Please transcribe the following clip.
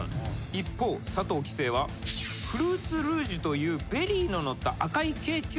一方佐藤棋聖はフルーツルージュというベリーののった赤いケーキを注文します。